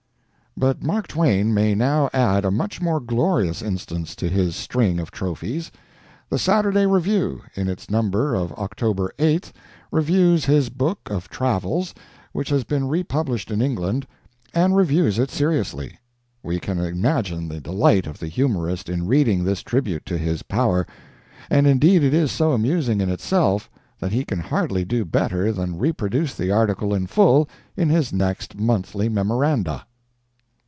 But Mark Twain may now add a much more glorious instance to his string of trophies. The Saturday Review, in its number of October 8th, reviews his book of travels, which has been republished in England, and reviews it seriously. We can imagine the delight of the humorist in reading this tribute to his power; and indeed it is so amusing in itself that he can hardly do better than reproduce the article in full in his next monthly Memoranda.